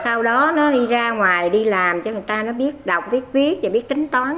sau đó nó đi ra ngoài đi làm cho người ta nó biết đọc biết viết và biết tính toán